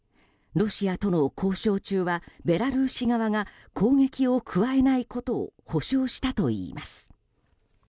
ロシアとの交渉中はベラルーシ側が攻撃を加えないことを保証したといいます。